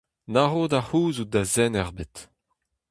Na ro da c’houzout da zen ebet.